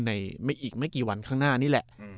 ในอีกไม่กี่วันข้างหน้านี่แหละ